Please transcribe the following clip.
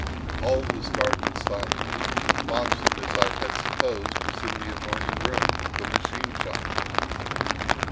All was dark and silent; Moxon, as I had supposed, was in the adjoining room—the "machine shop."